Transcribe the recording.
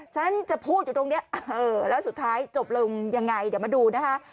ฉันจะพูดอยู่ตรงนี้แล้วสุดท้ายจบลงยังไงเดี๋ยวมาดูนะคะ